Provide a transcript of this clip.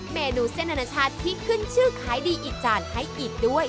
เมนูเส้นอนาชาติที่ขึ้นชื่อขายดีอีกจานให้อีกด้วย